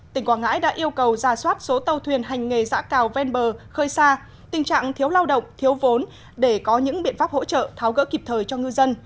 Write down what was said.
tỉnh quảng ngãi đã yêu cầu ra soát số tàu thuyền hành nghề giã cào ven bờ khơi xa tình trạng thiếu lao động thiếu vốn để có những biện pháp hỗ trợ tháo gỡ kịp thời cho ngư dân